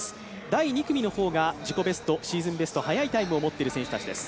第２組の方が自己ベスト、シーズンベスト、速いタイムを持っている選手たちです。